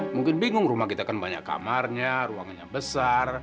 mungkin bingung rumah kita kan banyak kamarnya ruangannya besar